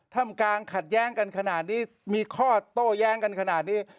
ทำกลางขัดแย้งกันขนาดนี้มีข้อโต้แย้งกันขนาดนี้